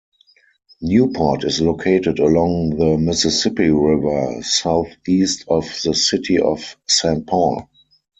Newport is located along the Mississippi River, southeast of the city of Saint Paul.